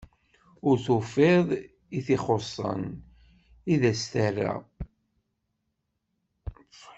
Ur tufiḍ i t-ixuṣṣen, i d as-terra.